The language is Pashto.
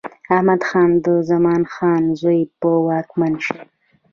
احمد خان د زمان خان زوی به واکمن شي.